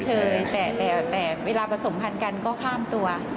เป็นกระเทยแต่เวลาผสมคันกันก็ข้ามตัว